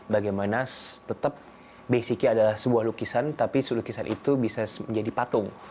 bagaimana tetap basicnya adalah sebuah lukisan tapi lukisan itu bisa menjadi patung